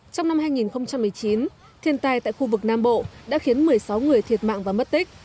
trong năm hai nghìn một mươi chín thiên tai tại khu vực nam bộ đã khiến một mươi sáu người thiệt mạng và mất tích